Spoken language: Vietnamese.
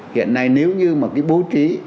hiện nay nếu như mà cái bố trí